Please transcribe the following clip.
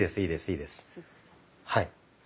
はい。